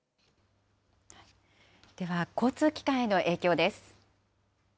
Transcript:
では、交通機関への影響です。